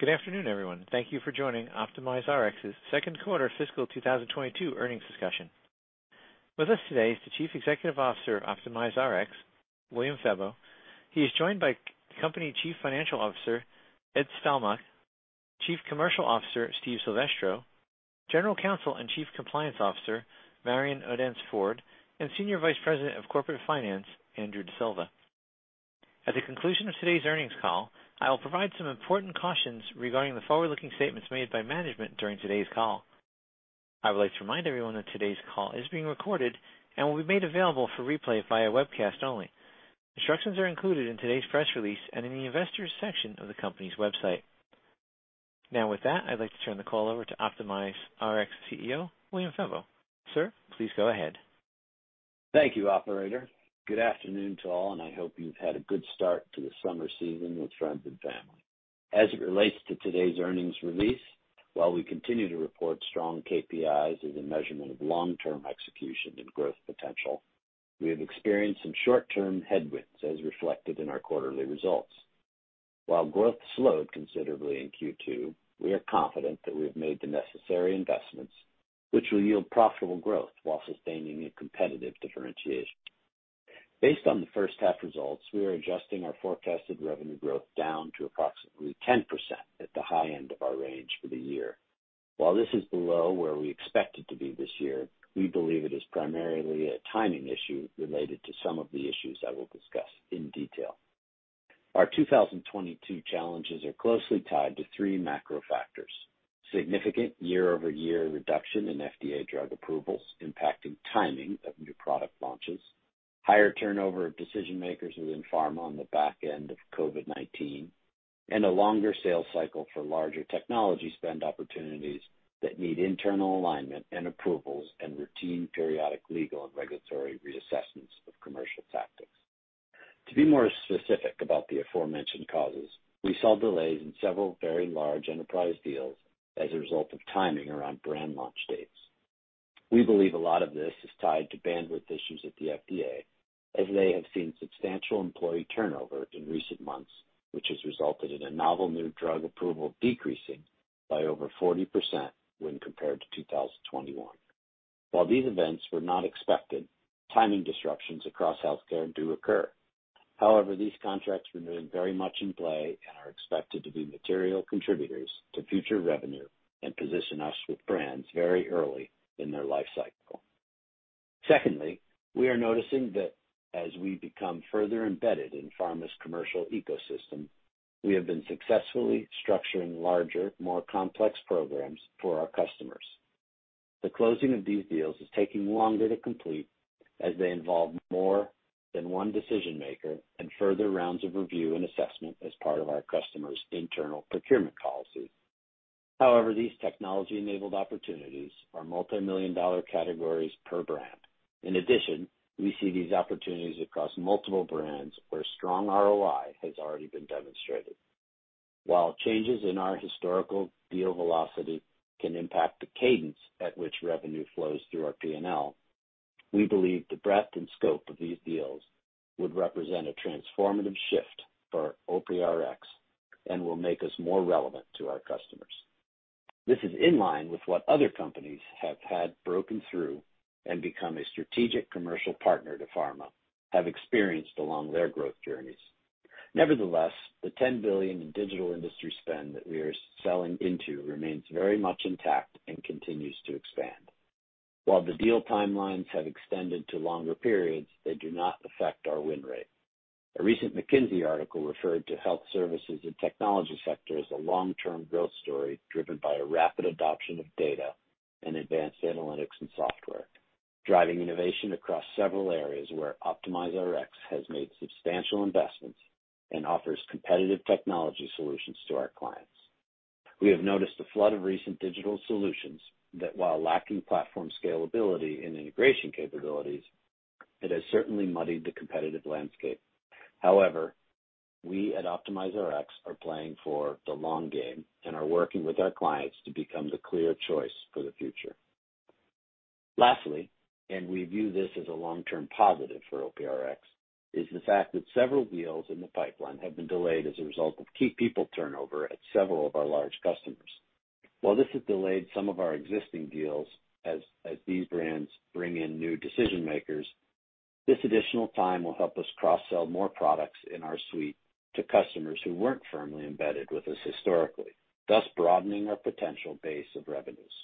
Good afternoon, everyone. Thank you for joining OptimizeRx's second quarter fiscal 2022 earnings discussion. With us today is the Chief Executive Officer of OptimizeRx, William Febbo. He is joined by company Chief Financial Officer Ed Stelmakh, Chief Commercial Officer Steve Silvestro, General Counsel and Chief Compliance Officer Marion Odence-Ford, and Senior Vice President of Corporate Finance Andrew D'Silva. At the conclusion of today's earnings call, I will provide some important cautions regarding the forward-looking statements made by management during today's call. I would like to remind everyone that today's call is being recorded and will be made available for replay via webcast only. Instructions are included in today's press release and in the Investors section of the company's website. Now with that, I'd like to turn the call over to OptimizeRx CEO William Febbo. Sir, please go ahead. Thank you, operator. Good afternoon to all, and I hope you've had a good start to the summer season with friends and family. As it relates to today's earnings release, while we continue to report strong KPIs as a measurement of long-term execution and growth potential, we have experienced some short-term headwinds as reflected in our quarterly results. While growth slowed considerably in Q2, we are confident that we have made the necessary investments which will yield profitable growth while sustaining a competitive differentiation. Based on the first half results, we are adjusting our forecasted revenue growth down to approximately 10% at the high end of our range for the year. While this is below where we expect it to be this year, we believe it is primarily a timing issue related to some of the issues I will discuss in detail. Our 2022 challenges are closely tied to three macro factors, significant year-over-year reduction in FDA drug approvals impacting timing of new product launches, higher turnover of decision makers within pharma on the back end of COVID-19, and a longer sales cycle for larger technology spend opportunities that need internal alignment and approvals and routine periodic legal and regulatory reassessments of commercial tactics. To be more specific about the aforementioned causes, we saw delays in several very large enterprise deals as a result of timing around brand launch dates. We believe a lot of this is tied to bandwidth issues at the FDA, as they have seen substantial employee turnover in recent months, which has resulted in a novel new drug approval decreasing by over 40% when compared to 2021. While these events were not expected, timing disruptions across healthcare do occur. However, these contracts remain very much in play and are expected to be material contributors to future revenue and position us with brands very early in their lifecycle. Secondly, we are noticing that as we become further embedded in pharma's commercial ecosystem, we have been successfully structuring larger, more complex programs for our customers. The closing of these deals is taking longer to complete as they involve more than one decision maker and further rounds of review and assessment as part of our customers' internal procurement policy. However, these technology-enabled opportunities are multi-million dollar categories per brand. In addition, we see these opportunities across multiple brands where strong ROI has already been demonstrated. While changes in our historical deal velocity can impact the cadence at which revenue flows through our P&L, we believe the breadth and scope of these deals would represent a transformative shift for OPRX and will make us more relevant to our customers. This is in line with what other companies have had to broken through and become a strategic commercial partner to pharma have experienced along their growth journeys. Nevertheless, the $10 billion in digital industry spend that we are selling into remains very much intact and continues to expand. While the deal timelines have extended to longer periods, they do not affect our win rate. A recent McKinsey article referred to health services and technology sector as a long-term growth story driven by a rapid adoption of data and advanced analytics and software, driving innovation across several areas where OptimizeRx has made substantial investments and offers competitive technology solutions to our clients. We have noticed a flood of recent digital solutions that while lacking platform scalability and integration capabilities, it has certainly muddied the competitive landscape. However, we at OptimizeRx are playing for the long game and are working with our clients to become the clear choice for the future. Lastly, we view this as a long-term positive for OPRX, is the fact that several deals in the pipeline have been delayed as a result of key people turnover at several of our large customers. While this has delayed some of our existing deals as these brands bring in new decision makers, this additional time will help us cross-sell more products in our suite to customers who weren't firmly embedded with us historically, thus broadening our potential base of revenues.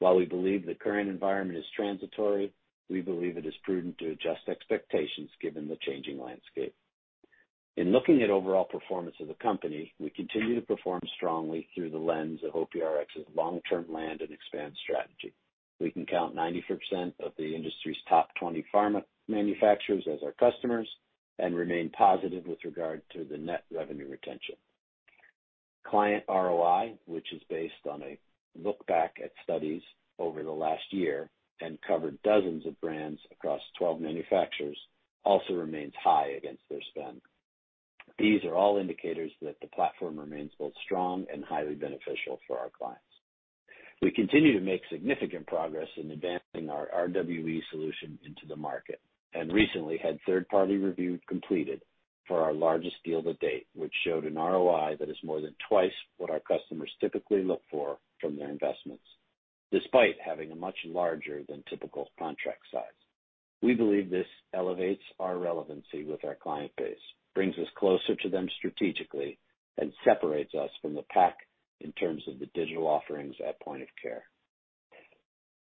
While we believe the current environment is transitory, we believe it is prudent to adjust expectations given the changing landscape. In looking at overall performance of the company, we continue to perform strongly through the lens of OPRX's long-term land and expand strategy. We can count 90% of the industry's top 20 pharma manufacturers as our customers and remain positive with regard to the net revenue retention. Client ROI, which is based on a look back at studies over the last year and covered dozens of brands across 12 manufacturers, also remains high against their spend. These are all indicators that the platform remains both strong and highly beneficial for our clients. We continue to make significant progress in advancing our RWE solution into the market, and recently had third-party review completed for our largest deal to date, which showed an ROI that is more than twice what our customers typically look for from their investments, despite having a much larger than typical contract size. We believe this elevates our relevancy with our client base, brings us closer to them strategically, and separates us from the pack in terms of the digital offerings at point of care.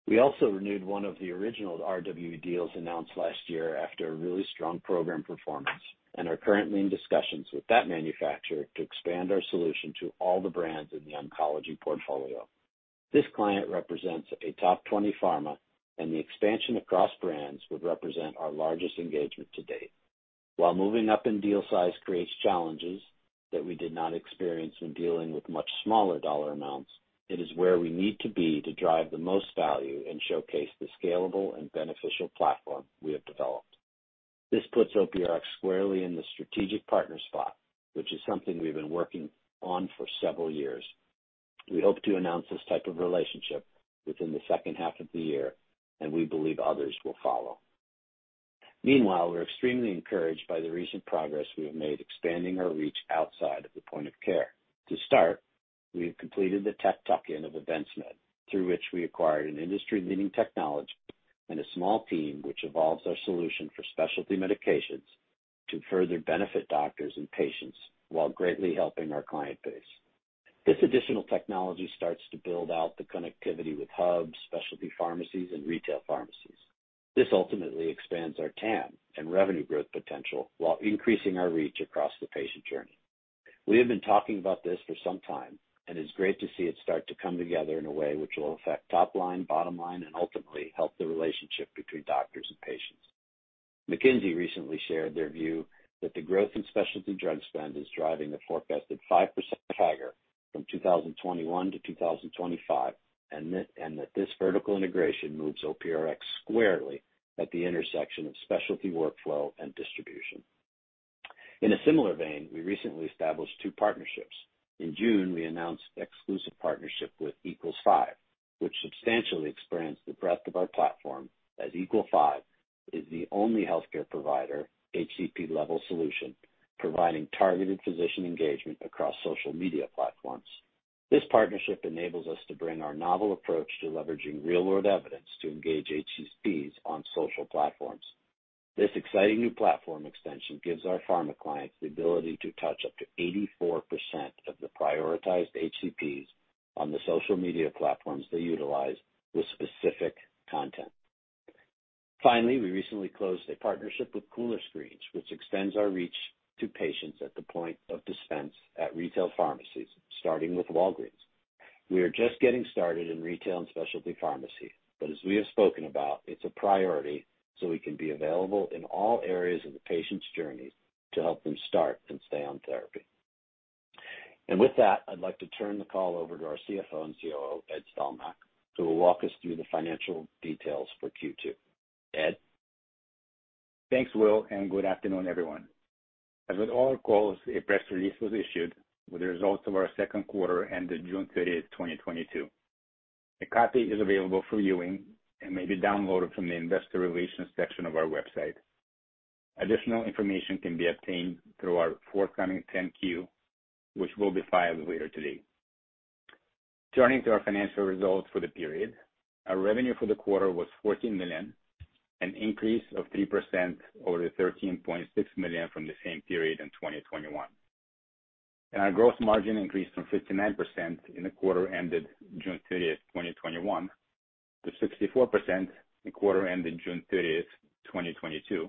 We also renewed one of the original RWE deals announced last year after a really strong program performance and are currently in discussions with that manufacturer to expand our solution to all the brands in the oncology portfolio. This client represents a top 20 pharma, and the expansion across brands would represent our largest engagement to date. While moving up in deal size creates challenges that we did not experience in dealing with much smaller dollar amounts, it is where we need to be to drive the most value and showcase the scalable and beneficial platform we have developed. This puts OPRX squarely in the strategic partner spot, which is something we've been working on for several years. We hope to announce this type of relationship within the second half of the year, and we believe others will follow. Meanwhile, we're extremely encouraged by the recent progress we have made expanding our reach outside of the point of care. To start, we have completed the tech tuck-in of EvinceMed, through which we acquired an industry-leading technology and a small team which evolves our solution for specialty medications to further benefit doctors and patients while greatly helping our client base. This additional technology starts to build out the connectivity with hubs, specialty pharmacies, and retail pharmacies. This ultimately expands our TAM and revenue growth potential while increasing our reach across the patient journey. We have been talking about this for some time, and it's great to see it start to come together in a way which will affect top line, bottom line, and ultimately help the relationship between doctors and patients. McKinsey recently shared their view that the growth in specialty drug spend is driving the forecasted 5% CAGR from 2021 to 2025, and that this vertical integration moves OPRX squarely at the intersection of specialty workflow and distribution. In a similar vein, we recently established two partnerships. In June, we announced exclusive partnership with Equals 5, which substantially expands the breadth of our platform, as Equals 5 is the only healthcare provider HCP-level solution providing targeted physician engagement across social media platforms. This partnership enables us to bring our novel approach to leveraging real-world evidence to engage HCPs on social platforms. This exciting new platform extension gives our pharma clients the ability to touch up to 84% of the prioritized HCPs on the social media platforms they utilize with specific content. Finally, we recently closed a partnership with Cooler Screens, which extends our reach to patients at the point of dispense at retail pharmacies, starting with Walgreens. We are just getting started in retail and specialty pharmacy, but as we have spoken about, it's a priority so we can be available in all areas of the patient's journey to help them start and stay on therapy. With that, I'd like to turn the call over to our CFO and COO, Ed Stelmakh, who will walk us through the financial details for Q2. Ed? Thanks, Will, and good afternoon, everyone. As with all our calls, a press release was issued with the results of our second quarter ended June 30th, 2022. A copy is available for viewing and may be downloaded from the investor relations section of our website. Additional information can be obtained through our forthcoming 10-Q, which will be filed later today. Turning to our financial results for the period, our revenue for the quarter was $14 million, an increase of 3% over the $13.6 million from the same period in 2021. Our gross margin increased from 59% in the quarter ended June 30th, 2021 to 64% in the quarter ended June 30th, 2022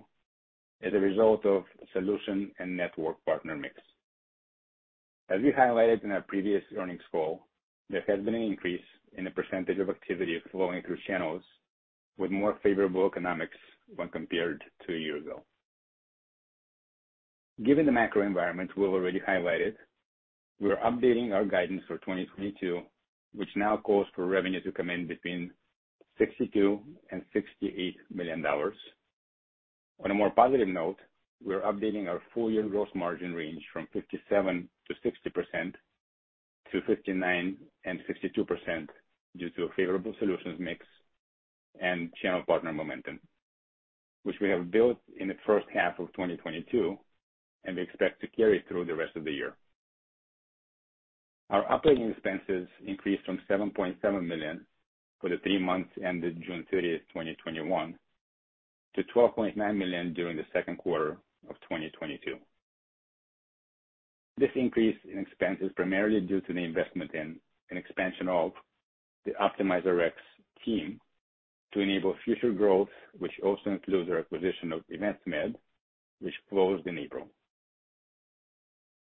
as a result of solution and network partner mix. As we highlighted in our previous earnings call, there has been an increase in the percentage of activity flowing through channels with more favorable economics when compared to a year ago. Given the macro environment we've already highlighted, we are updating our guidance for 2022, which now calls for revenue to come in between $62 million and $68 million. On a more positive note, we are updating our full year gross margin range from 57%-60% to 59% and 62% due to a favorable solutions mix and channel partner momentum, which we have built in the first half of 2022 and we expect to carry through the rest of the year. Our operating expenses increased from $7.7 million for the three months ended June 30th, 2021 to $12.9 million during the second quarter of 2022. This increase in expense is primarily due to the investment in an expansion of the OptimizeRx team to enable future growth, which also includes our acquisition of EvinceMed, which closed in April.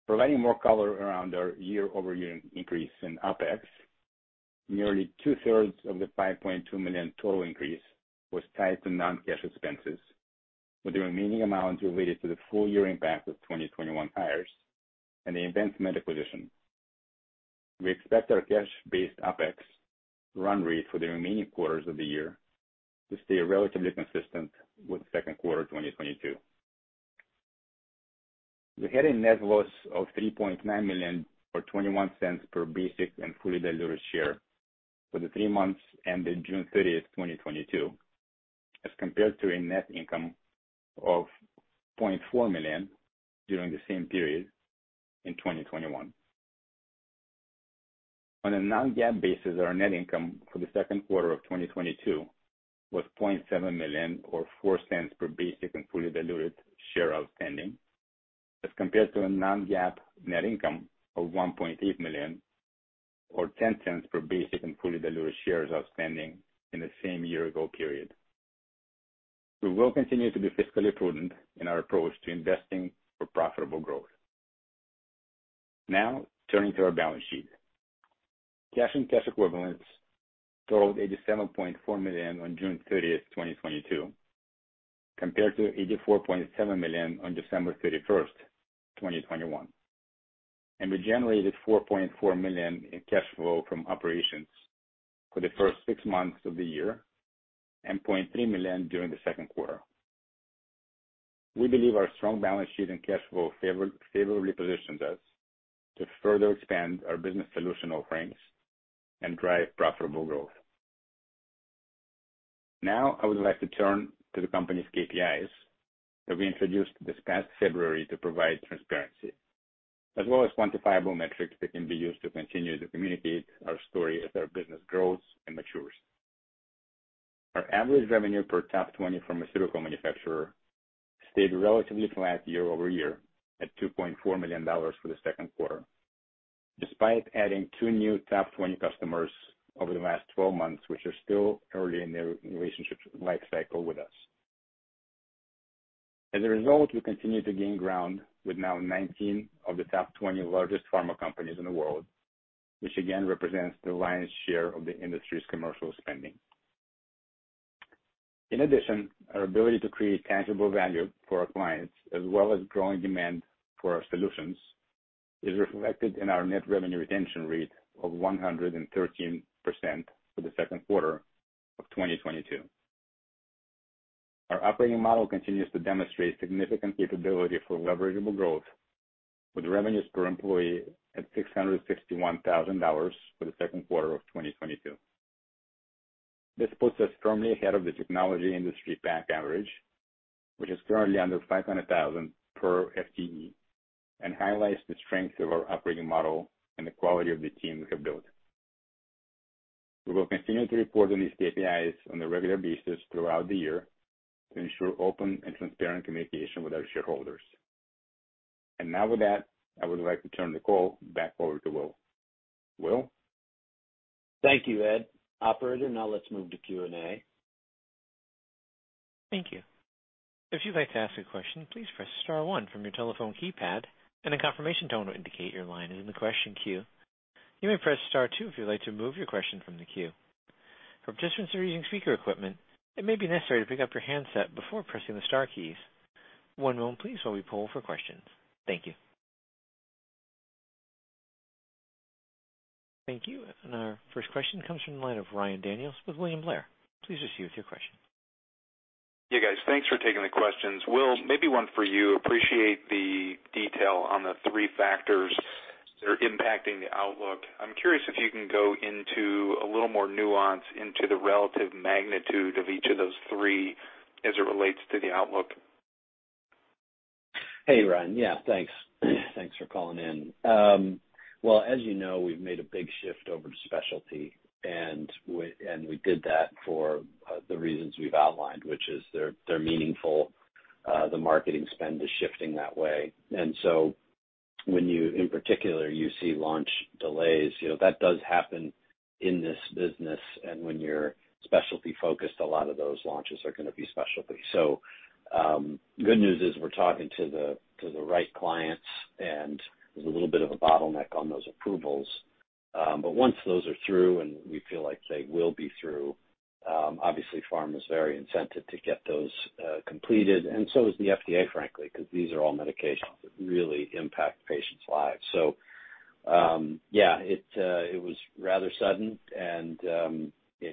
Providing more color around our year-over-year increase in OpEx, nearly 2/3 of the $5.2 million total increase was tied to non-cash expenses, with the remaining amount related to the full year impact of 2021 hires and the EvinceMed acquisition. We expect our cash-based OpEx run rate for the remaining quarters of the year to stay relatively consistent with second quarter of 2022. We had a net loss of $3.9 million or $0.21 per basic and fully diluted share for the three months ending June 30th, 2022, as compared to a net income of $0.4 million during the same period in 2021. On a non-GAAP basis, our net income for the second quarter of 2022 was $0.7 million or $0.04 per basic and fully diluted share outstanding, as compared to a non-GAAP net income of $1.8 million or $0.10 per basic and fully diluted shares outstanding in the same year-ago period. We will continue to be fiscally prudent in our approach to investing for profitable growth. Now turning to our balance sheet. Cash and cash equivalents totaled $87.4 million on June 30th, 2022, compared to $84.7 million on December 31st, 2021. We generated $4.4 million in cash flow from operations for the first six months of the year and $0.3 million during the second quarter. We believe our strong balance sheet and cash flow favorably positions us to further expand our business solution offerings and drive profitable growth. Now I would like to turn to the company's KPIs that we introduced this past February to provide transparency, as well as quantifiable metrics that can be used to continue to communicate our story as our business grows and matures. Our average revenue per top 20 pharmaceutical manufacturer stayed relatively flat year-over-year at $2.4 million for the second quarter, despite adding two new top 20 customers over the last 12 months, which are still early in their relationship lifecycle with us. As a result, we continue to gain ground with now 19 of the top 20 largest pharma companies in the world, which again represents the lion's share of the industry's commercial spending. In addition, our ability to create tangible value for our clients as well as growing demand for our solutions is reflected in our net revenue retention rate of 113% for the second quarter of 2022. Our operating model continues to demonstrate significant capability for leverageable growth with revenues per employee at $661,000 for the second quarter of 2022. This puts us firmly ahead of the technology industry pack average, which is currently under $500,000 per FTE, and highlights the strength of our operating model and the quality of the team we have built. We will continue to report on these KPIs on a regular basis throughout the year to ensure open and transparent communication with our shareholders. Now with that, I would like to turn the call back over to Will. Will? Thank you, Ed. Operator, now let's move to Q&A. Thank you. If you'd like to ask a question, please press star one from your telephone keypad, and a confirmation tone will indicate your line is in the question queue. You may press star two if you'd like to remove your question from the queue. For participants who are using speaker equipment, it may be necessary to pick up your handset before pressing the star keys. One moment please while we poll for questions. Thank you. Thank you. Our first question comes from the line of Ryan Daniels with William Blair. Please proceed with your question. Yeah, guys, thanks for taking the questions. Will, maybe one for you. Appreciate the detail on the three factors that are impacting the outlook. I'm curious if you can go into a little more nuance into the relative magnitude of each of those three as it relates to the outlook. Hey, Ryan. Yeah, thanks. Thanks for calling in. Well, as you know, we've made a big shift over to specialty and we did that for the reasons we've outlined, which is they're meaningful. The marketing spend is shifting that way. When you in particular you see launch delays, you know, that does happen in this business. When you're specialty-focused, a lot of those launches are gonna be specialty. Good news is we're talking to the right clients, and there's a little bit of a bottleneck on those approvals. Once those are through and we feel like they will be through, obviously pharma is very incented to get those completed and so is the FDA, frankly, because these are all medications that really impact patients' lives. It was rather sudden,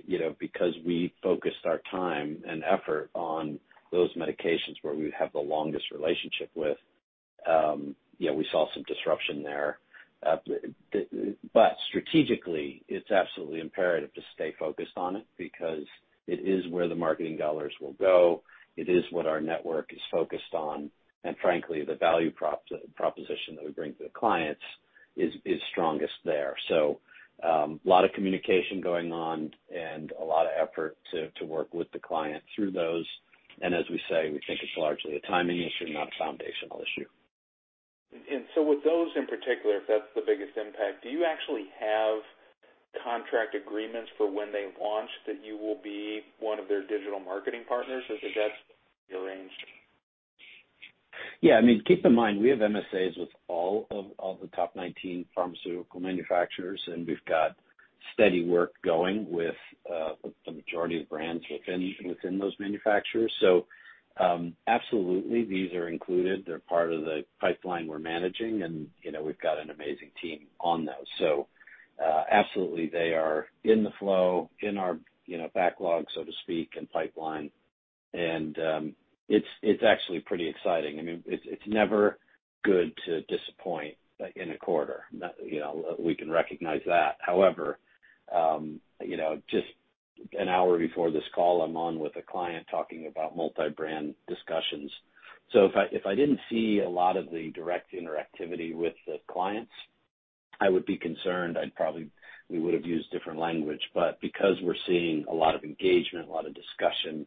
you know, because we focused our time and effort on those medications where we have the longest relationship with. Yeah, we saw some disruption there. But strategically, it's absolutely imperative to stay focused on it because it is where the marketing dollars will go. It is what our network is focused on. Frankly, the value proposition that we bring to the clients is strongest there. A lot of communication going on and a lot of effort to work with the client through those. As we say, we think it's largely a timing issue, not a foundational issue. With those in particular, if that's the biggest impact, do you actually have contract agreements for when they launch that you will be one of their digital marketing partners, or is that arranged? Yeah. I mean, keep in mind, we have MSAs with all the top 19 pharmaceutical manufacturers, and we've got steady work going with the majority of brands within those manufacturers. Absolutely, these are included. They're part of the pipeline we're managing and, you know, we've got an amazing team on those. Absolutely they are in the flow in our, you know, backlog, so to speak, and pipeline and, it's actually pretty exciting. I mean, it's never good to disappoint in a quarter. You know, we can recognize that. However, you know, just an hour before this call, I'm on with a client talking about multi-brand discussions. If I didn't see a lot of the direct interactivity with the clients, I would be concerned. We would have used different language. But because we're seeing a lot of engagement, a lot of discussion,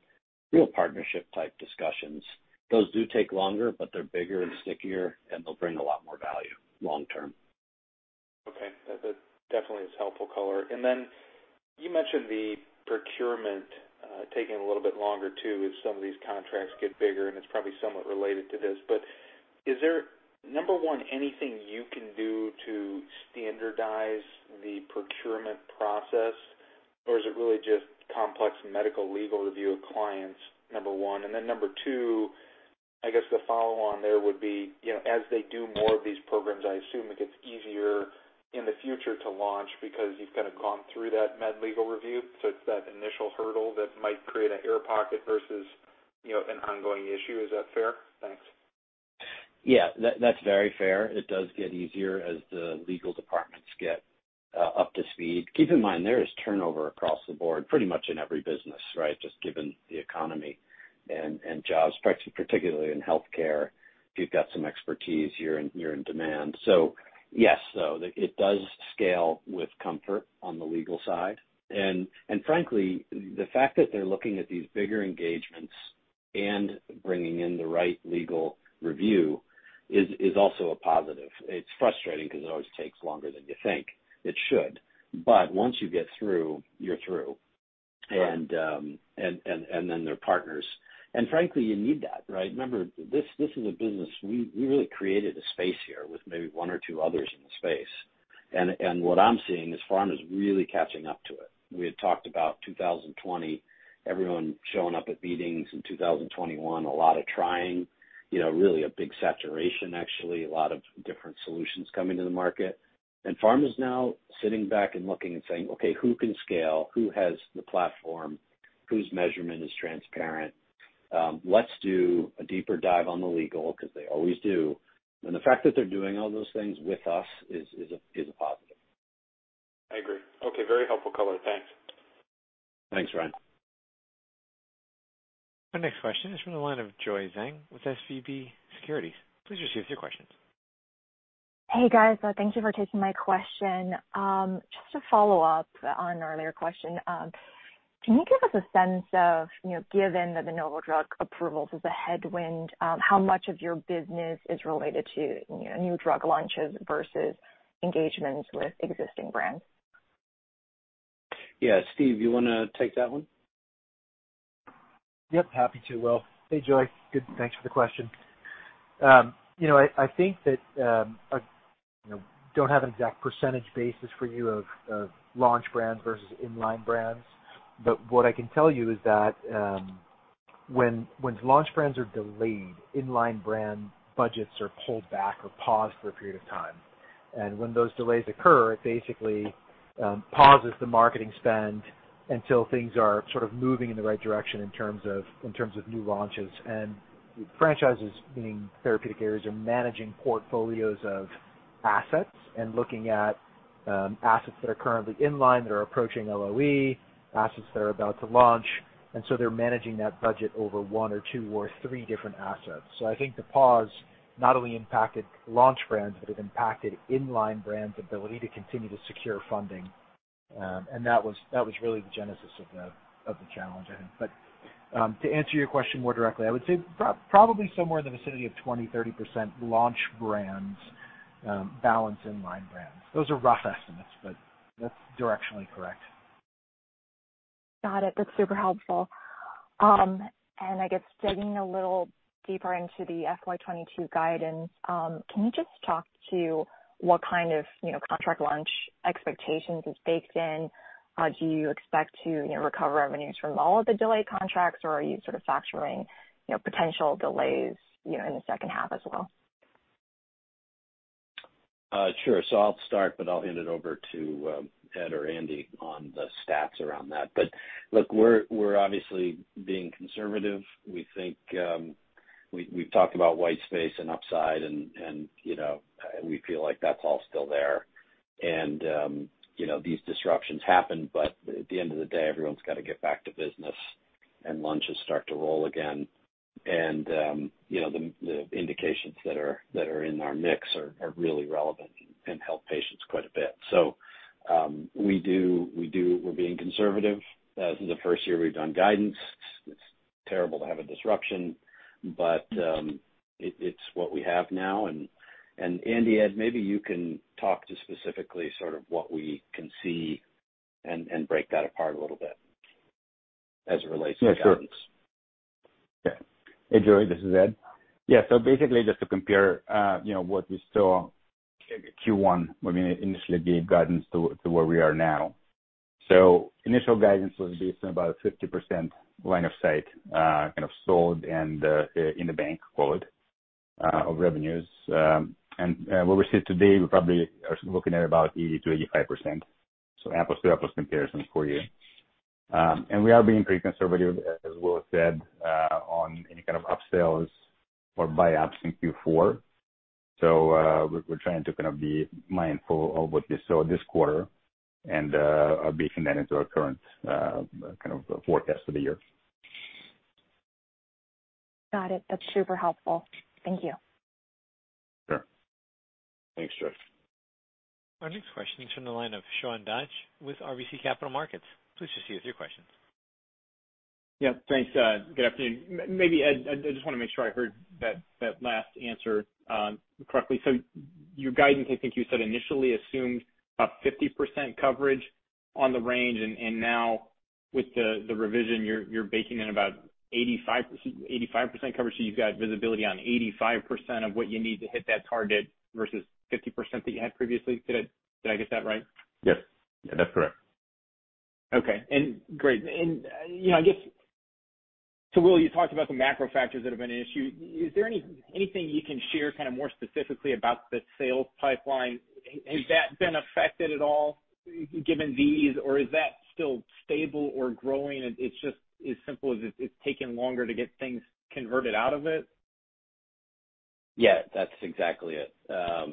real partnership-type discussions, those do take longer, but they're bigger and stickier, and they'll bring a lot more value long term. That definitely is helpful color. You mentioned the procurement taking a little bit longer, too, as some of these contracts get bigger, and it's probably somewhat related to this. Is there, number one, anything you can do to standardize the procurement process, or is it really just complex medical legal review of clients, number one? Number two, I guess the follow on there would be, you know, as they do more of these programs, I assume it gets easier in the future to launch because you've kind of gone through that med legal review. It's that initial hurdle that might create an air pocket versus, you know, an ongoing issue. Is that fair? Thanks. Yeah, that's very fair. It does get easier as the legal departments get up to speed. Keep in mind, there is turnover across the board pretty much in every business, right? Just given the economy and jobs, particularly in healthcare. If you've got some expertise, you're in demand. Yes, it does scale with comfort on the legal side. Frankly, the fact that they're looking at these bigger engagements and bringing in the right legal review is also a positive. It's frustrating because it always takes longer than you think it should. Once you get through, you're through. They're partners. Frankly, you need that, right? Remember, this is a business. We really created a space here with maybe one or two others in the space. What I'm seeing is pharma's really catching up to it. We had talked about 2020, everyone showing up at meetings. In 2021, a lot of trying. You know, really a big saturation, actually. A lot of different solutions coming to the market. Pharma's now sitting back and looking and saying, "Okay, who can scale? Who has the platform? Whose measurement is transparent? Let's do a deeper dive on the legal," because they always do. The fact that they're doing all those things with us is a positive. I agree. Okay, very helpful color. Thanks. Thanks, Ryan. Our next question is from the line of Joy Zhang with SVB Securities. Please proceed with your question. Hey, guys. Thank you for taking my question. Just to follow up on an earlier question. Can you give us a sense of, you know, given that the novel drug approvals is a headwind, how much of your business is related to, you know, new drug launches versus engagements with existing brands? Yeah. Steve, you wanna take that one? Yep, happy to, Will. Hey, Joy. Good. Thanks for the question. You know, I think that you know, I don't have an exact percentage basis for you of launch brands versus in-line brands. What I can tell you is that, when launch brands are delayed, in-line brand budgets are pulled back or paused for a period of time. When those delays occur, it basically pauses the marketing spend until things are sort of moving in the right direction in terms of new launches. Franchises, meaning therapeutic areas, are managing portfolios of assets and looking at assets that are currently in line that are approaching LOE, assets that are about to launch. They're managing that budget over one or two or three different assets. I think the pause not only impacted launch brands, but it impacted in-line brands' ability to continue to secure funding. That was really the genesis of the challenge, I think. To answer your question more directly, I would say probably somewhere in the vicinity of 20%-30% launch brands, balance in-line brands. Those are rough estimates, but that's directionally correct. Got it. That's super helpful. I guess digging a little deeper into the FY 2022 guidance, can you just talk to what kind of, you know, contract launch expectations is baked in? Do you expect to, you know, recover revenues from all of the delayed contracts, or are you sort of factoring, you know, potential delays, you know, in the second half as well? Sure. I'll start, but I'll hand it over to Ed or Andy on the stats around that. Look, we're obviously being conservative. We think, we've talked about white space and upside and, you know, and we feel like that's all still there. You know, these disruptions happen, but at the end of the day, everyone's got to get back to business and launches start to roll again. You know, the indications that are in our mix are really relevant and help patients quite a bit. We do. We're being conservative. This is the first year we've done guidance. It's terrible to have a disruption, but it's what we have now. And Andy, Ed, maybe you can talk to specifically sort of what we can see and break that apart a little bit as it relates to guidance. Yeah, sure. Okay. Hey, Joy, this is Ed. Yeah, so basically just to compare, you know, what we saw in Q1 when we initially gave guidance to where we are now. Initial guidance was based on about 50% line of sight, kind of sold and in the bank of revenues. What we see today, we probably are looking at about 80%-85%. Apples to apples comparison for you. We are being pretty conservative, as Will said, on any kind of up-sales or buy ups in Q4. We're trying to kind of be mindful of what we saw this quarter and bake them into our current kind of forecast for the year. Got it. That's super helpful. Thank you. Sure. Thanks, Joy. Our next question is from the line of Sean Dodge with RBC Capital Markets. Please proceed with your questions. Yeah, thanks. Good afternoon. Maybe, Ed, I just wanna make sure I heard that last answer correctly. Your guidance, I think you said, initially assumed about 50% coverage on the range, and now with the revision, you're baking in about 85% coverage. You've got visibility on 85% of what you need to hit that target versus 50% that you had previously. Did I get that right? Yes. Yeah, that's correct. Okay. Great. You know, I guess, Will, you talked about the macro factors that have been an issue. Is there anything you can share kind of more specifically about the sales pipeline? Has that been affected at all given these? Or is that still stable or growing and it's just as simple as it's taking longer to get things converted out of it? Yeah, that's exactly it.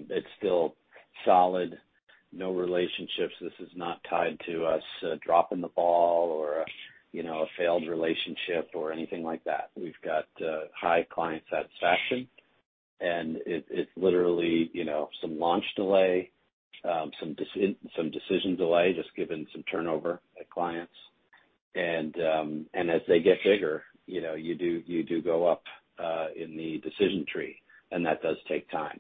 It's still solid. No relationships. This is not tied to us dropping the ball or, you know, a failed relationship or anything like that. We've got high client satisfaction. It, it's literally, you know, some launch delay, some decision delay, just given some turnover at clients. As they get bigger, you know, you do go up in the decision tree, and that does take time.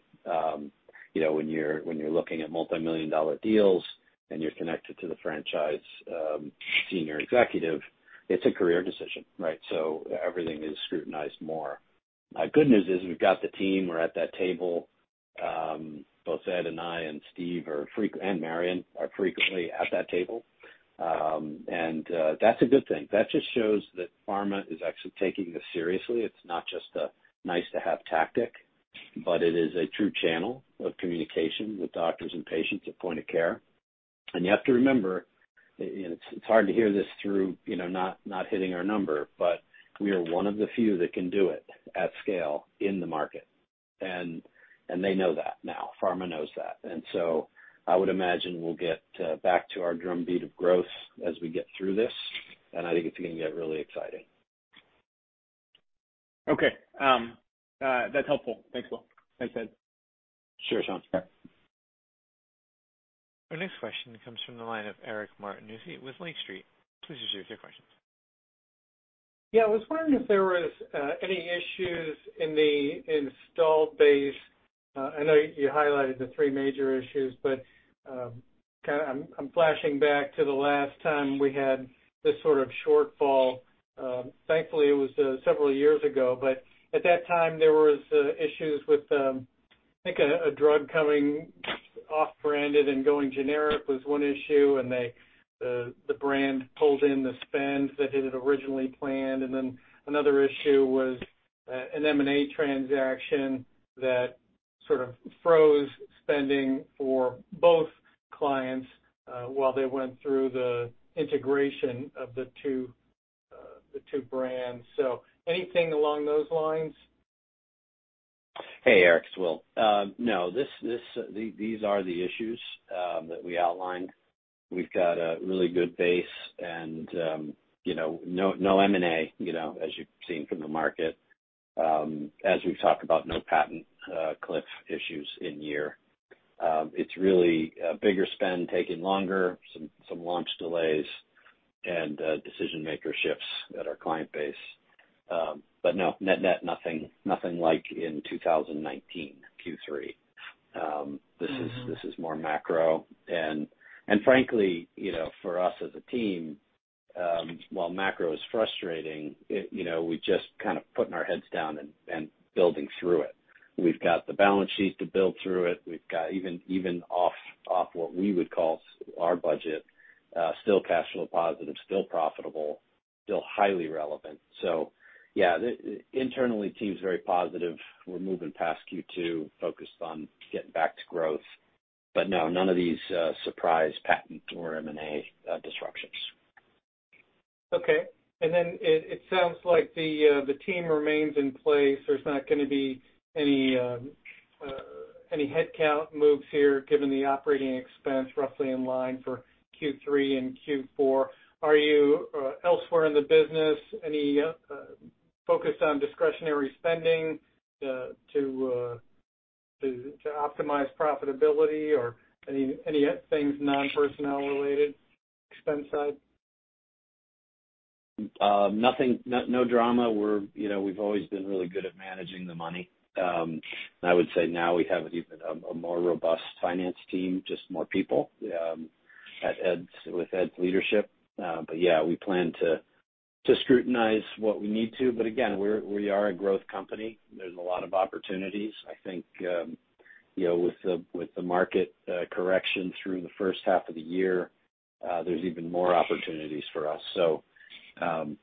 You know, when you're looking at multi-million dollar deals and you're connected to the franchise senior executive, it's a career decision, right? Everything is scrutinized more. Good news is we've got the team, we're at that table. Both Ed and I and Steve and Marion are frequently at that table. That's a good thing. That just shows that pharma is actually taking this seriously. It's not just a nice to have tactic, but it is a true channel of communication with doctors and patients at point of care. You have to remember, and it's hard to hear this through, you know, not hitting our number, but we are one of the few that can do it at scale in the market. They know that now. Pharma knows that. I would imagine we'll get back to our drum beat of growth as we get through this, and I think it's gonna get really exciting. Okay. That's helpful. Thanks, Will. Thanks, Ed. Sure, Sean. Sure. Our next question comes from the line of Eric Martinuzzi with Lake Street. Please proceed with your questions. Yeah, I was wondering if there was any issues in the installed base. I know you highlighted the three major issues, but kinda I'm flashing back to the last time we had this sort of shortfall. Thankfully it was several years ago, but at that time, there was issues with I think a drug coming off branded and going generic was one issue, and they the brand pulled in the spend that it had originally planned. And then another issue was an M&A transaction that sort of froze spending for both clients while they went through the integration of the two the two brands. Anything along those lines? Hey, Eric, it's Will. No. These are the issues that we outlined. We've got a really good base and, you know, no M&A, you know, as you've seen from the market. As we've talked about, no patent cliff issues in year. It's really a bigger spend taking longer, some launch delays and decision maker shifts at our client base. No, net nothing like in 2019 Q3. This is.. This is more macro. Frankly, you know, for us as a team, while macro is frustrating, it, you know, we're just kind of putting our heads down and building through it. We've got the balance sheet to build through it. We've got even off what we would call our budget, still cash flow positive, still profitable, still highly relevant. Yeah, internally, team's very positive. We're moving past Q2, focused on getting back to growth. No, none of these surprise patent or M&A disruptions. Okay. It sounds like the team remains in place. There's not gonna be any headcount moves here, given the operating expense roughly in line for Q3 and Q4. Are you or elsewhere in the business any focus on discretionary spending to optimize profitability or any things non-personnel related expense side? Nothing. No drama. We're, you know, we've always been really good at managing the money. And I would say now we have even a more robust finance team, just more people, at Ed's, with Ed's leadership. But yeah, we plan to scrutinize what we need to. But again, we are a growth company. There's a lot of opportunities. I think, you know, with the market correction through the first half of the year, there's even more opportunities for us.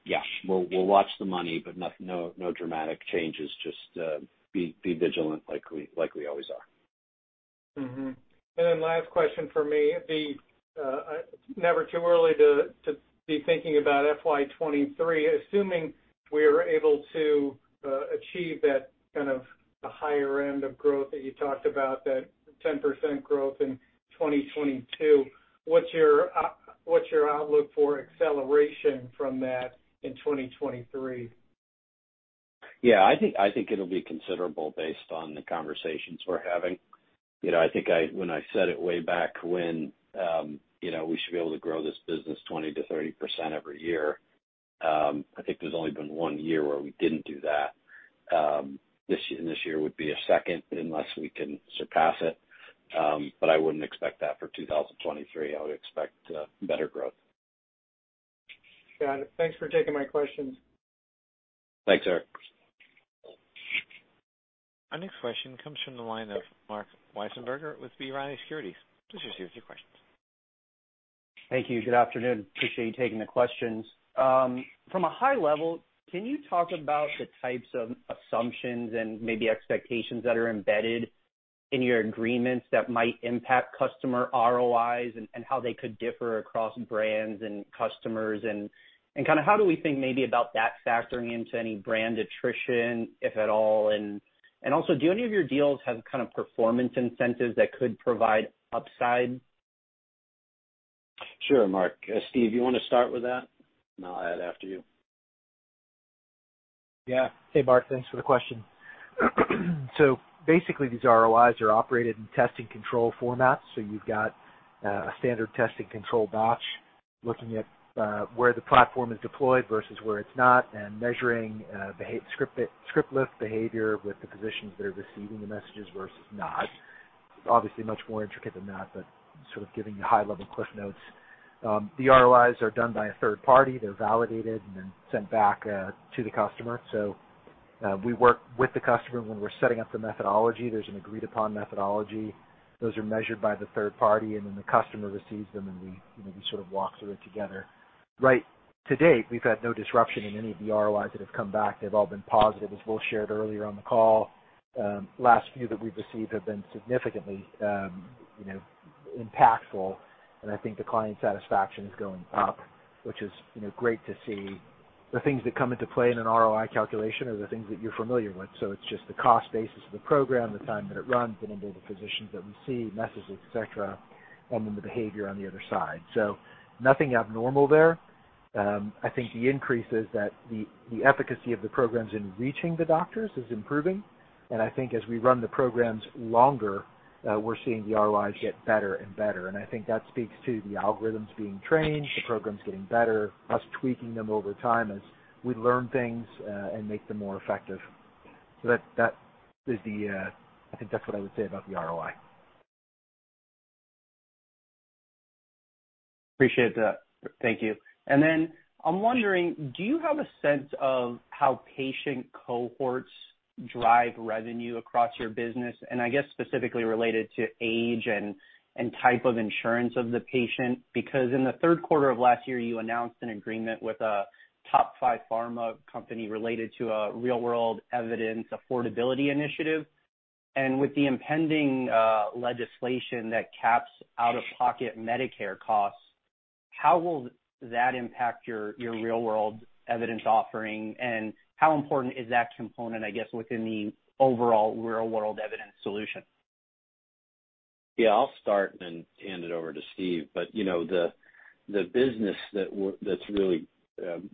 Yeah, we'll watch the money, but nothing, no dramatic changes. Just be vigilant like we always are. Last question for me. Never too early to be thinking about FY 2023. Assuming we're able to achieve that kind of the higher end of growth that you talked about, that 10% growth in 2022, what's your outlook for acceleration from that in 2023? Yeah, I think it'll be considerable based on the conversations we're having. You know, I think when I said it way back when, you know, we should be able to grow this business 20%-30% every year, I think there's only been one year where we didn't do that. This year would be a second unless we can surpass it. But I wouldn't expect that for 2023. I would expect better growth. Got it. Thanks for taking my questions. Thanks, Eric. Our next question comes from the line of Marc Wiesenberger with B. Riley Securities. Please proceed with your questions. Thank you. Good afternoon. Appreciate you taking the questions. From a high level, can you talk about the types of assumptions and maybe expectations that are embedded in your agreements that might impact customer ROIs and how they could differ across brands and customers and kind of how do we think maybe about that factoring into any brand attrition, if at all? Also, do any of your deals have kind of performance incentives that could provide upside? Sure, Marc. Steve, you wanna start with that? I'll add after you. Yeah, Hey, Marc. Thanks for the question. Basically, these ROIs are obtained in testing control formats. You've got a standard testing control batch looking at where the platform is deployed versus where it's not, and measuring script lift behavior with the physicians that are receiving the messages versus not. Obviously much more intricate than that, but sort of giving you high level cliff notes. The ROIs are done by a third party. They're validated and then sent back to the customer. We work with the customer when we're setting up the methodology. There's an agreed upon methodology. Those are measured by the third party, and then the customer receives them and we, you know, we sort of walk through it together. To date, we've had no disruption in any of the ROIs that have come back. They've all been positive, as Will shared earlier on the call. Last few that we've received have been significantly, you know, impactful, and I think the client satisfaction is going up, which is, you know, great to see. The things that come into play in an ROI calculation are the things that you're familiar with. It's just the cost basis of the program, the time that it runs, the number of physicians that receive messages, et cetera, and then the behavior on the other side. Nothing abnormal there. I think the increase is that the efficacy of the programs in reaching the doctors is improving. I think as we run the programs longer, we're seeing the ROIs get better and better. I think that speaks to the algorithms being trained, the programs getting better, us tweaking them over time as we learn things, and make them more effective. I think that's what I would say about the ROI. Appreciate that. Thank you. I'm wondering, do you have a sense of how patient cohorts drive revenue across your business? I guess specifically related to age and type of insurance of the patient. Because in the third quarter of last year, you announced an agreement with a top five pharma company related to a real-world evidence affordability initiative. With the impending legislation that caps out-of-pocket Medicare costs, how will that impact your real-world evidence offering, and how important is that component, I guess, within the overall real-world evidence solution? Yeah, I'll start and hand it over to Steve. You know, the business that's really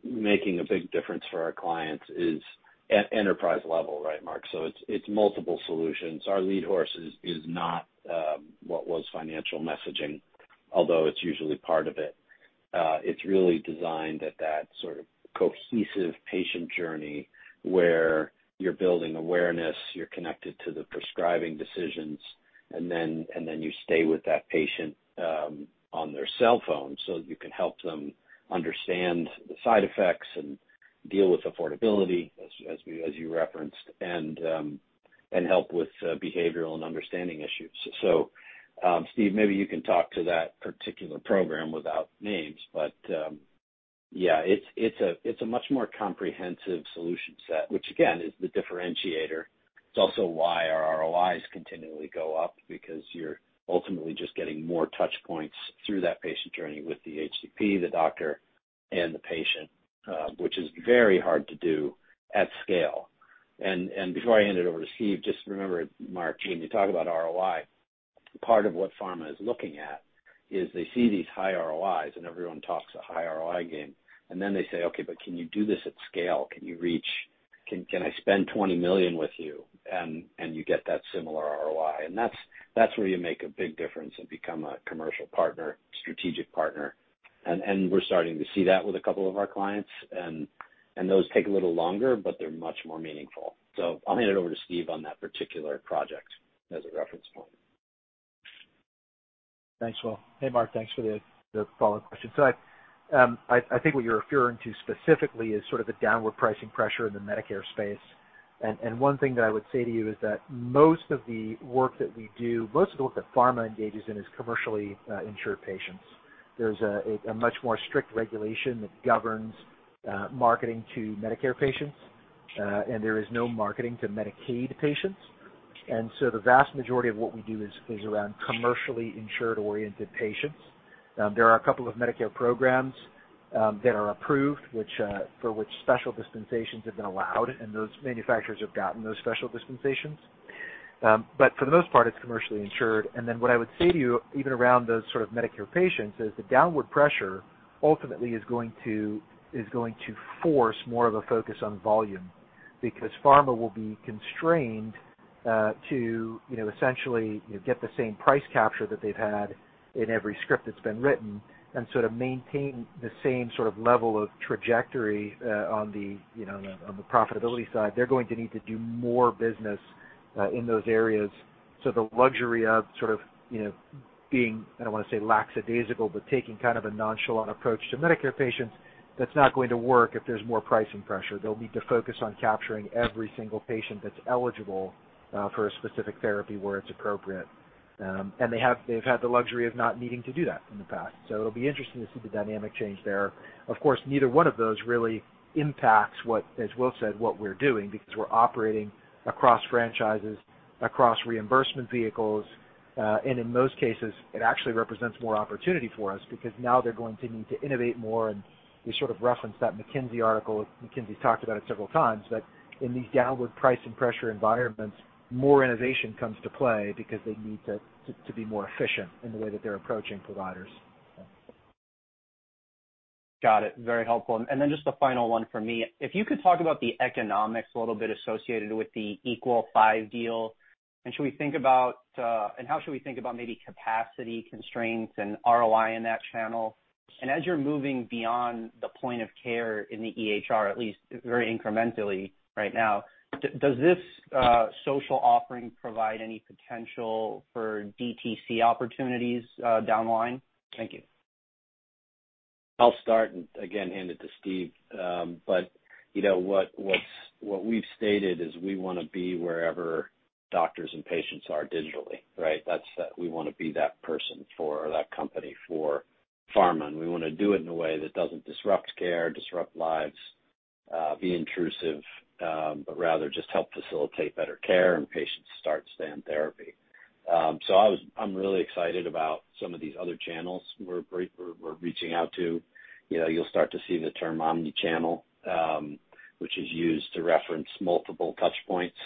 making a big difference for our clients is at enterprise level, right, Marc? It's multiple solutions. Our lead horse is not what was financial messaging, although it's usually part of it. It's really designed at that sort of cohesive patient journey where you're building awareness, you're connected to the prescribing decisions, and then you stay with that patient on their cell phone so you can help them understand the side effects and deal with affordability as you referenced, and help with behavioral and understanding issues. Steve, maybe you can talk to that particular program without names. Yeah, it's a much more comprehensive solution set, which again, is the differentiator. It's also why our ROIs continually go up because you're ultimately just getting more touch points through that patient journey with the HCP, the doctor, and the patient, which is very hard to do at scale. Before I hand it over to Steve, just remember, Marc, when you talk about ROI, part of what pharma is looking at is they see these high ROIs and everyone talks a high ROI game. Then they say, "Okay, but can you do this at scale? Can I spend $20 million with you and you get that similar ROI?" That's where you make a big difference and become a commercial partner, strategic partner. We're starting to see that with a couple of our clients and those take a little longer, but they're much more meaningful. I'll hand it over to Steve on that particular project as a reference point. Thanks, Will. Hey, Marc, thanks for the follow-up question. I think what you're referring to specifically is sort of the downward pricing pressure in the Medicare space. One thing that I would say to you is that most of the work that we do, most of the work that pharma engages in is commercially insured patients. There's a much more strict regulation that governs marketing to Medicare patients. There is no marketing to Medicaid patients. The vast majority of what we do is around commercially insured-oriented patients. There are a couple of Medicare programs that are approved, which for which special dispensations have been allowed, and those manufacturers have gotten those special dispensations. For the most part, it's commercially insured. What I would say to you, even around those sort of Medicare patients, is the downward pressure ultimately is going to force more of a focus on volume because pharma will be constrained to, you know, essentially get the same price capture that they've had in every script that's been written and sort of maintain the same sort of level of trajectory on the, you know, on the profitability side. They're going to need to do more business in those areas. The luxury of sort of, you know, being, I don't wanna say lackadaisical, but taking kind of a nonchalant approach to Medicare patients, that's not going to work if there's more pricing pressure. They'll need to focus on capturing every single patient that's eligible for a specific therapy where it's appropriate. They've had the luxury of not needing to do that in the past. It'll be interesting to see the dynamic change there. Of course, neither one of those really impacts what, as Will said, we're doing, because we're operating across franchises, across reimbursement vehicles, and in most cases, it actually represents more opportunity for us because now they're going to need to innovate more. We sort of referenced that McKinsey article. McKinsey talked about it several times, that in these downward pricing pressure environments, more innovation comes to play because they need to be more efficient in the way that they're approaching providers. Got it. Very helpful. Just a final one from me. If you could talk about the economics a little bit associated with the Equals 5 deal, and should we think about, and how should we think about maybe capacity constraints and ROI in that channel? As you're moving beyond the point of care in the EHR, at least very incrementally right now, does this social offering provide any potential for DTC opportunities down the line? Thank you. I'll start and again hand it to Steve. You know what we've stated is we wanna be wherever doctors and patients are digitally, right? That's we wanna be that person for or that company for pharma, and we wanna do it in a way that doesn't disrupt care, disrupt lives, be intrusive, but rather just help facilitate better care and patients start, stay on therapy. I'm really excited about some of these other channels we're reaching out to. You know, you'll start to see the term omni-channel, which is used to reference multiple touch points.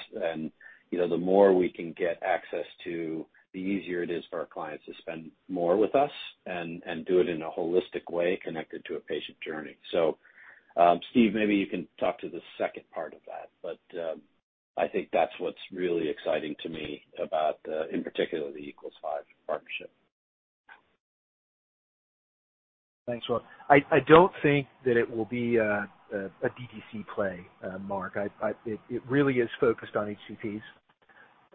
You know, the more we can get access to, the easier it is for our clients to spend more with us and do it in a holistic way connected to a patient journey. Steve, maybe you can talk to the second part of that. I think that's what's really exciting to me about, in particular, the Equals 5 partnership. Thanks, Will. I don't think that it will be a DTC play, Marc. It really is focused on HCPs.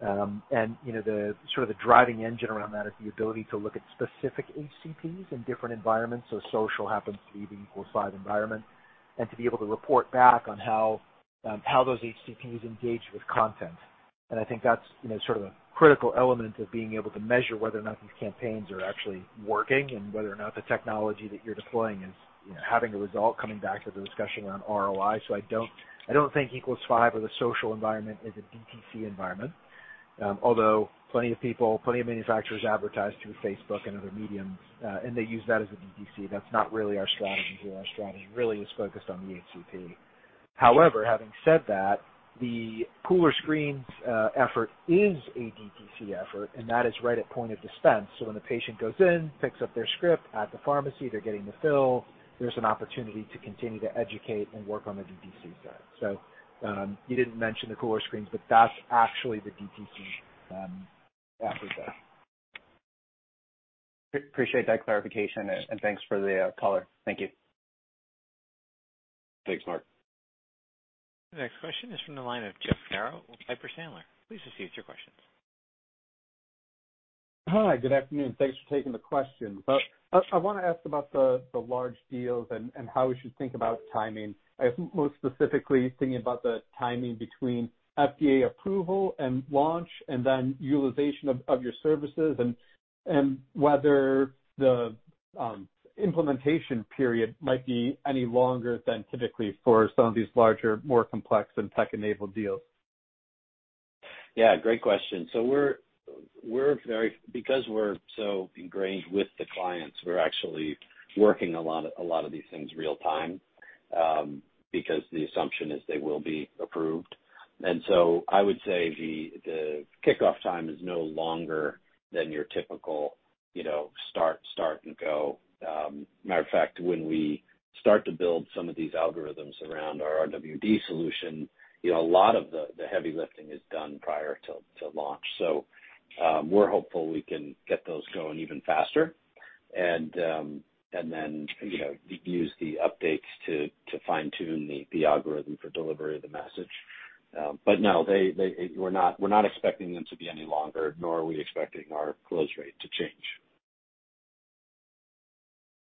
You know, the sort of the driving engine around that is the ability to look at specific HCPs in different environments, so social happens to be the Equals 5 environment, and to be able to report back on how those HCPs engage with content. I think that's you know, sort of a critical element of being able to measure whether or not these campaigns are actually working and whether or not the technology that you're deploying is, you know, having a result, coming back to the discussion around ROI. I don't think Equals 5 or the social environment is a DTC environment. Although plenty of people, plenty of manufacturers advertise through Facebook and other media, and they use that as a DTC. That's not really our strategy here. Our strategy really is focused on the HCP. However, having said that, the Cooler Screens effort is a DTC effort, and that is right at point-of-dispense. When the patient goes in, picks up their script at the pharmacy, they're getting the fill, there's an opportunity to continue to educate and work on the DTC side. You didn't mention the Cooler Screens, but that's actually the DTC effort there. Appreciate that clarification and thanks for the color. Thank you. Thanks, Marc. The next question is from the line of Jeff Garro with Piper Sandler. Please proceed with your question. Hi. Good afternoon. Thanks for taking the question. I wanna ask about the large deals and how we should think about timing. I'm most specifically thinking about the timing between FDA approval and launch and then utilization of your services and whether the implementation period might be any longer than typically for some of these larger, more complex and tech-enabled deals. Yeah, great question. Because we're so ingrained with the clients, we're actually working a lot of these things real time, because the assumption is they will be approved. I would say the kickoff time is no longer than your typical, you know, start and go. Matter of fact, when we start to build some of these algorithms around our RWD solution, you know, a lot of the heavy lifting is done prior to launch. We're hopeful we can get those going even faster and then, you know, use the updates to fine-tune the algorithm for delivery of the message. No, we're not expecting them to be any longer, nor are we expecting our close rate to change.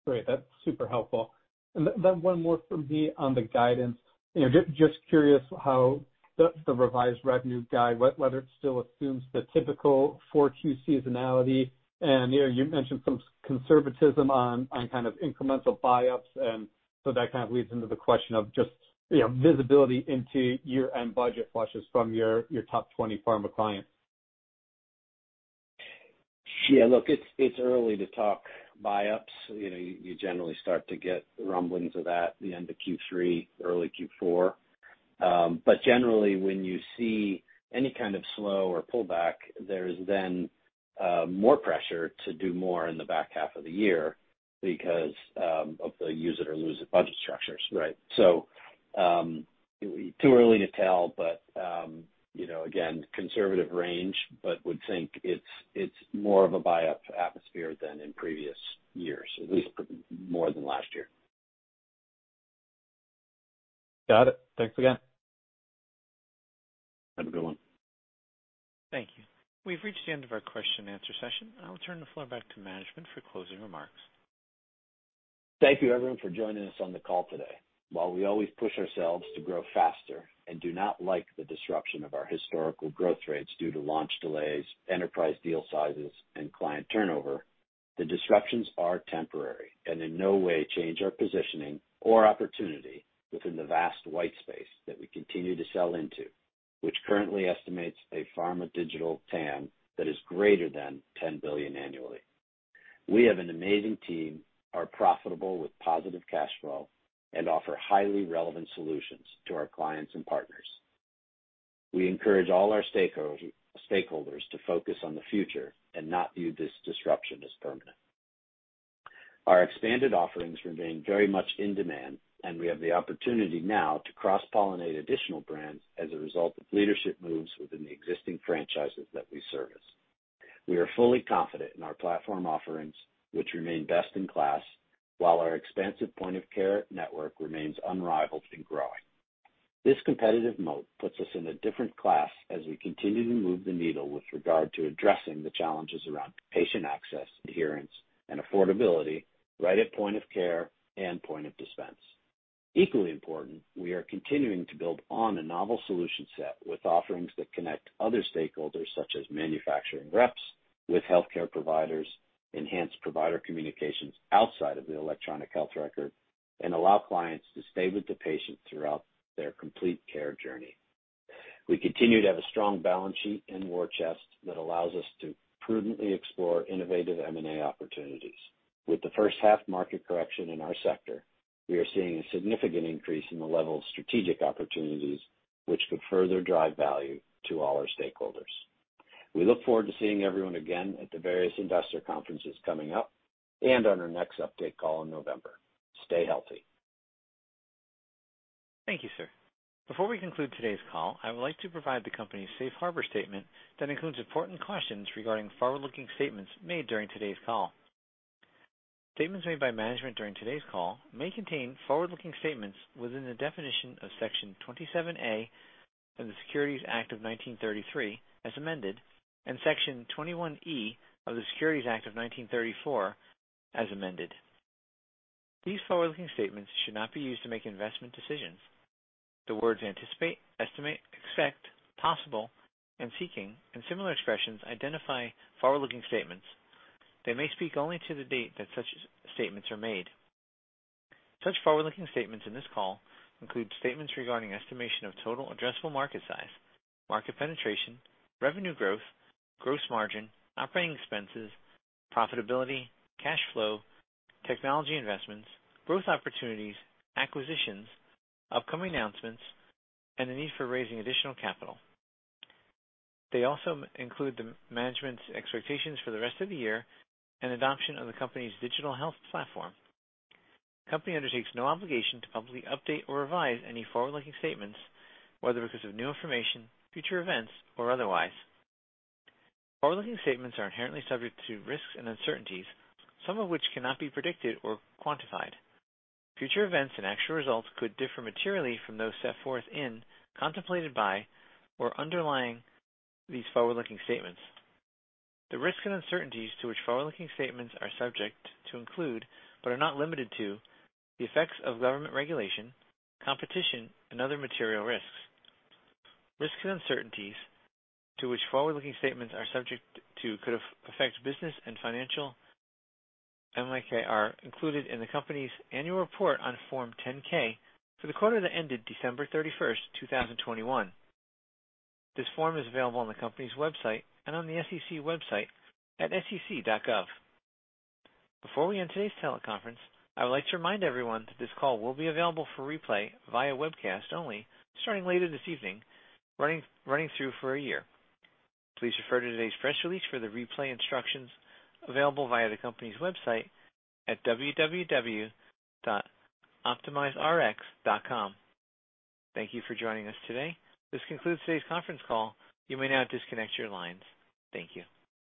Great. That's super helpful. Then one more from me on the guidance. You know, just curious how the revised revenue guide, whether it still assumes the typical 4Q seasonality. You know, you mentioned some conservatism on kind of incremental buy-ups. That kind of leads into the question of just, you know, visibility into year-end budget flushes from your top 20 pharma clients. Yeah. Look, it's early to talk buyups. You know, you generally start to get rumblings of that at the end of Q3, early Q4. Generally, when you see any kind of slowdown or pullback, there is then more pressure to do more in the back half of the year because of the use it or lose it budget structures, right? Too early to tell, but you know, again, conservative range, but would think it's more of a buy-up atmosphere than in previous years, at least more than last year. Got it. Thanks again. Have a good one. Thank you. We've reached the end of our question and answer session. I'll turn the floor back to management for closing remarks. Thank you everyone for joining us on the call today. While we always push ourselves to grow faster and do not like the disruption of our historical growth rates due to launch delays, enterprise deal sizes, and client turnover, the disruptions are temporary and in no way change our positioning or opportunity within the vast white space that we continue to sell into, which currently estimates a pharma digital TAM that is greater than $10 billion annually. We have an amazing team, are profitable with positive cash flow, and offer highly relevant solutions to our clients and partners. We encourage all our stakeholders to focus on the future and not view this disruption as permanent. Our expanded offerings remain very much in demand, and we have the opportunity now to cross-pollinate additional brands as a result of leadership moves within the existing franchises that we service. We are fully confident in our platform offerings, which remain best in class, while our expansive point of care network remains unrivaled and growing. This competitive moat puts us in a different class as we continue to move the needle with regard to addressing the challenges around patient access, adherence, and affordability right at point of care and point-of-dispense. Equally important, we are continuing to build on a novel solution set with offerings that connect other stakeholders such as manufacturing reps with healthcare providers, enhance provider communications outside of the electronic health record, and allow clients to stay with the patient throughout their complete care journey. We continue to have a strong balance sheet and war chest that allows us to prudently explore innovative M&A opportunities. With the first half market correction in our sector, we are seeing a significant increase in the level of strategic opportunities which could further drive value to all our stakeholders. We look forward to seeing everyone again at the various investor conferences coming up and on our next update call in November. Stay healthy. Thank you, sir. Before we conclude today's call, I would like to provide the company's Safe Harbor statement that includes important cautions regarding forward-looking statements made during today's call. Statements made by management during today's call may contain forward-looking statements within the definition of Section 27A of the Securities Act of 1933, as amended, and Section 21E of the Securities Exchange Act of 1934, as amended. These forward-looking statements should not be used to make investment decisions. The words anticipate, estimate, expect, possible, and seeking and similar expressions identify forward-looking statements. They may speak only to the date that such statements are made. Such forward-looking statements in this call include statements regarding estimation of total addressable market size, market penetration, revenue growth, gross margin, operating expenses, profitability, cash flow, technology investments, growth opportunities, acquisitions, upcoming announcements, and the need for raising additional capital. They also include the management's expectations for the rest of the year and adoption of the company's digital health platform. The company undertakes no obligation to publicly update or revise any forward-looking statements, whether because of new information, future events, or otherwise. Forward-looking statements are inherently subject to risks and uncertainties, some of which cannot be predicted or quantified. Future events and actual results could differ materially from those set forth in, contemplated by, or underlying these forward-looking statements. The risks and uncertainties to which forward-looking statements are subject to include, but are not limited to, the effects of government regulation, competition, and other material risks. Risks and uncertainties to which forward-looking statements are subject to could affect business and financial included in the company's annual report on Form 10-K for the year that ended December 31st, 2021. This form is available on the company's website and on the SEC website at sec.gov. Before we end today's teleconference, I would like to remind everyone that this call will be available for replay via webcast only starting later this evening, running through for a year. Please refer to today's press release for the replay instructions available via the company's website at www.optimizerx.com. Thank you for joining us today. This concludes today's conference call. You may now disconnect your lines. Thank you.